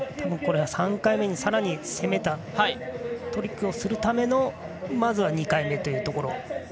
３回目にさらに攻めたトリックをするためのまずは２回目というところ。